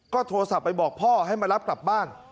ก็โทรศัพท์ไปบอกพ่อให้มารับกลับบ้าน